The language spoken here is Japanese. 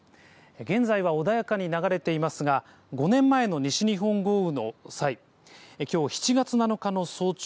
現在は穏やかに流れていますが、５年前の西日本豪雨の際、きょう７月７日の早朝、